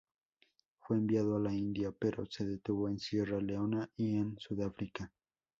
Fue enviado a la India, pero se detuvo en Sierra Leona y en Sudáfrica.